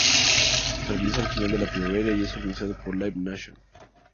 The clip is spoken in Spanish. Se realiza al final de la primavera, y es organizado por Live Nation.